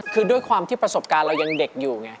คือด้วยความที่ประสบการณ์เรายังเด็กอยู่ไง